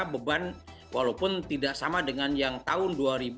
beban walaupun tidak sama dengan yang tahun dua ribu dua